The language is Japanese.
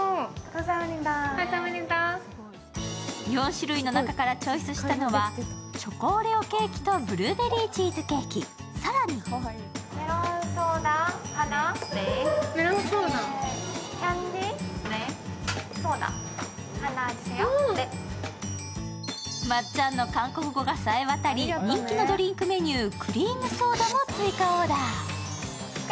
４種類の中からチョイスしたのはチョコオレオケーキとブルーベリーチーズケーキ、更にまっちゃんの韓国語が冴え渡り人気のドリンクメニュー、クリームソーダも追加オーダー。